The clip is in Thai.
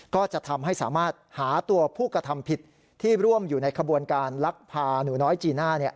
ก็จะทำให้สามารถหาตัวผู้กระทำผิดที่ร่วมอยู่ในขบวนการลักพาหนูน้อยจีน่า